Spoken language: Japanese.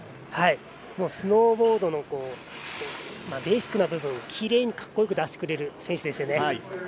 スノーボードのベーシックな部分をきれいにかっこよく出してくれる選手ですよね。